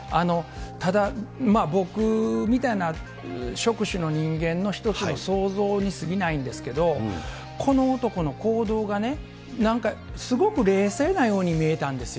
ただ、僕みたいな職種の人間の一つの想像にすぎないんですけど、この男の行動がね、なんかすごく冷静なように見えたんですよ。